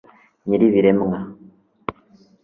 nyir'ibiremwa